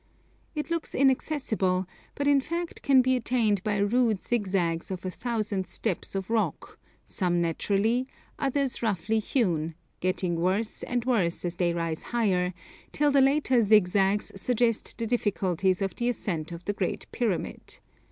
It looks inaccessible, but in fact can be attained by rude zigzags of a thousand steps of rock, some natural, others roughly hewn, getting worse and worse as they rise higher, till the later zigzags suggest the difficulties of the ascent of the Great Pyramid.